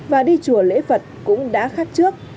và đi chùa lễ phật cũng đã khác trước